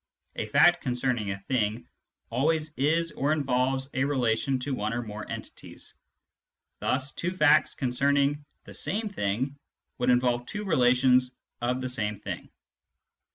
A fact concerning a thing always is or involves a relation to one or more entities ; thus two facts concerning the same thing would involve two relations of the same thing.